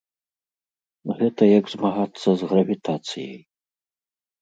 Гэта як змагацца з гравітацыяй.